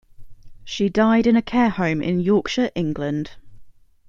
She died in a care home in Yorkshire, England.